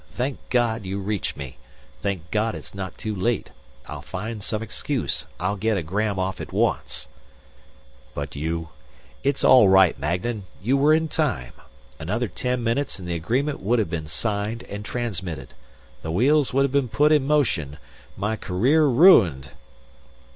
Thank God you reached me. Thank God it's not too late. I'll find some excuse. I'll get a gram off at once." "But you " "It's all right, Magnan. You were in time. Another ten minutes and the agreement would have been signed and transmitted. The wheels would have been put in motion. My career ruined...."